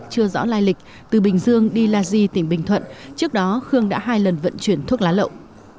chưa rõ lai lịch từ bình dương đi la di tỉnh bình thuận trước đó khương đã hai lần vận chuyển thuốc lá lậu